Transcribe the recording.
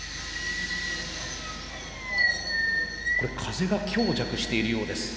これ風が強弱しているようです。